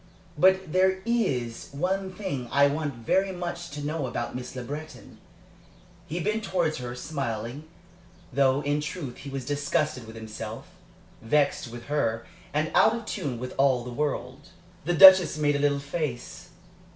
But there is one thing I want very much to know about Miss Le Breton." He bent towards her, smiling, though in truth he was disgusted with himself, vexed with her, and out of tune with all the world. The Duchess made a little face.